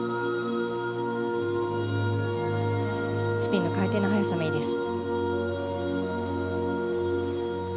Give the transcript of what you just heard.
スピンの回転の速さもいいです。